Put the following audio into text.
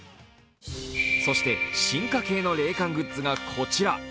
そして進化系の冷感グッズがこちら。